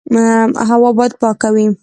هوا باید پاکه وي.